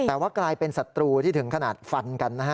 แต่ว่ากลายเป็นศัตรูที่ถึงขนาดฟันกันนะฮะ